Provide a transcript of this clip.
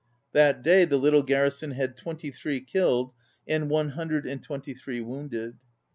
That day the little garrison had twenty three killed and one hundred and twenty three wounded.